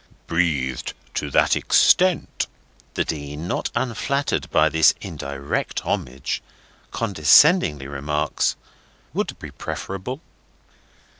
"Breathed to that extent," the Dean (not unflattered by this indirect homage) condescendingly remarks, "would be preferable."